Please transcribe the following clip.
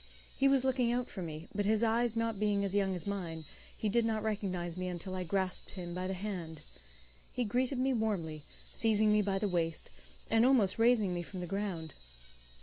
He was looking out for me, but his eyes not being as young as mine, he did not recognize me until I grasped him by the hand. He greeted me warmly, seizing me by the waist, and almost raising me from the ground.